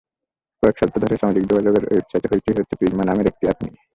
কয়েক সপ্তাহ ধরে সামাজিক যোগাযোগের ওয়েবসাইটে হইচই হচ্ছে প্রিজমা নামের একটি অ্যাপ নিয়ে।